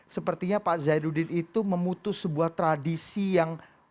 sepertinya pak zainuddin itu memutus sebuah tradisi yang